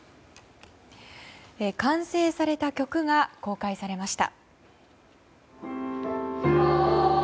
完成された曲が公開されました。